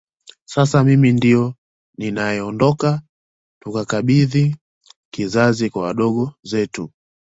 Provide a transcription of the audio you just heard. Sasa mimi ndio ninayeondoka tukabidhi kizazi kwa wadogo zetu